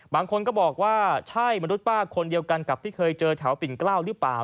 บางคนก็บอกว่าใช่มนุษย์ป้าคนเดียวกันกับที่เคยเจอแถวปิ่นเกล้าหรือเปล่า